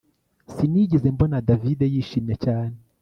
Sinigeze mbona David yishimye cyane